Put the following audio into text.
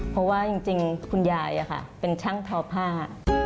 เพราะว่าจริงคุณยายเป็นช่างทอผ้า